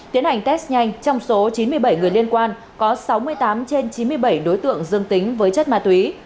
tiến hành test nhanh trong số chín mươi bảy người liên quan có sáu mươi tám trên chín mươi bảy đối tượng dương tính với chất ma túy